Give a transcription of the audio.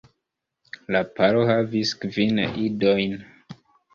La paro havis kvin idojn.